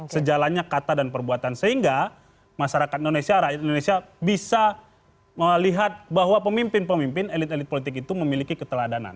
sejalannya kata dan perbuatan sehingga masyarakat indonesia rakyat indonesia bisa melihat bahwa pemimpin pemimpin elit elit politik itu memiliki keteladanan